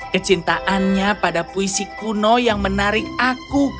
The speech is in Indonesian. kecintaannya pada puisi kuno yang menarik aku